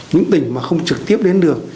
những tỉnh mà không trực tiếp đến được